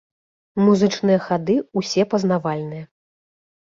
Музычныя хады ўсе пазнавальныя.